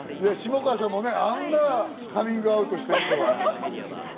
下川さんもあんなカミングアウトしてくれて。